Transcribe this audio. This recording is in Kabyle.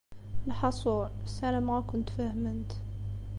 Lḥaṣul, ssarameɣ ad kent-fehment.